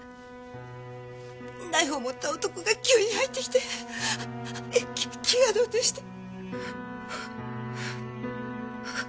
ナイフを持った男が急に入ってきてき気が動転して。